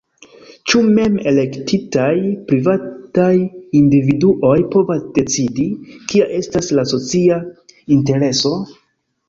Ĉu mem-elektitaj privataj individuoj povas decidi, kia estas la socia intereso?